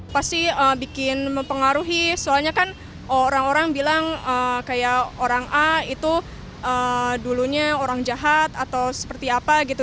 pasti bikin mempengaruhi soalnya kan orang orang bilang kayak orang a itu dulunya orang jahat atau seperti apa gitu